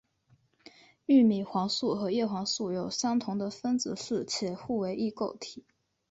玉米黄素和叶黄素有相同的分子式且互为异构体。